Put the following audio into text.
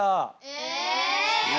え！